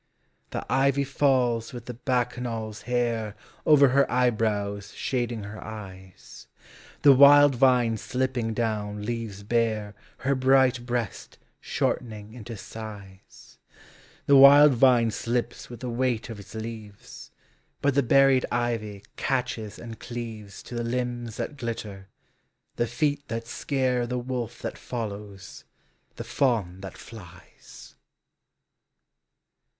The ivy falls with the Bacchanal's hair Over her eyebrows shading her eyes: The wild vine slipping down leaves bare Her bright breast shortening into sighs; The wild vine slips with the weight of its leaves^ But the berried ivy catches and cleaves To the limbs that glitter, the feet that scare The wolf that follows, the fawn that flies.